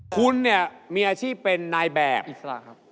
คุณเนี่ยมีอาชีพเป็นนายแบบอิสระครับ